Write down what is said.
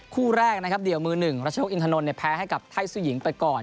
คู่แรกนะครับเดี่ยวมือหนึ่งรัชนกอินทนนท์แพ้ให้กับไทยสู้หญิงไปก่อน